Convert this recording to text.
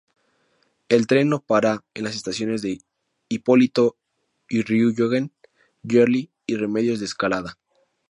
El tren no para en las estaciones Hipólito Yrigoyen, Gerli y Remedios de Escalada.